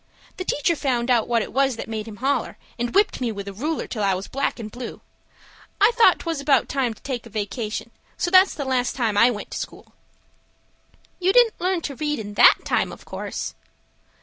The teacher found out what it was that made him holler, and whipped me with a ruler till I was black and blue. I thought 'twas about time to take a vacation; so that's the last time I went to school." "You didn't learn to read in that time, of course?"